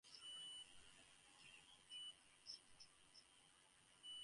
It is the second season of Sa Re Ga Ma Pa Seniors.